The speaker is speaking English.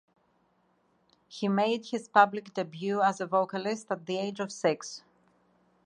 He made his public debut as a vocalist at the age of six.